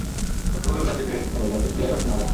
শক্তভাবে ওটা চেপে ধরো যাতে প্লীহায় রক্ত না যায়।